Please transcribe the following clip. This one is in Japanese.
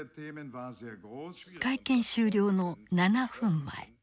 会見終了の７分前